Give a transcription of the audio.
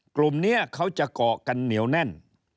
กลุ่มนี้เขาจะเกาะกันเหนียวแน่น